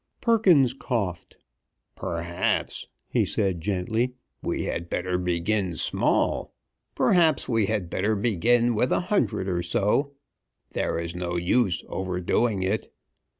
Perkins coughed. "Perhaps," he said, gently, "we had better begin small. Perhaps we had better begin with a hundred or so. There is no use overdoing it.